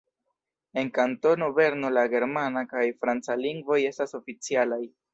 En Kantono Berno la germana kaj franca lingvoj estas oficialaj.